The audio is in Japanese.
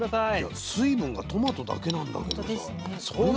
いや水分がトマトだけなんだけどさ